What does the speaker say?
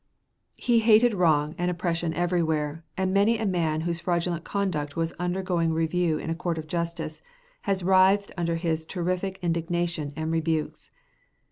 He hated wrong and oppression everywhere, and many a man whose fraudulent conduct was undergoing review in a court of justice has writhed under his terrific indignation and rebukes.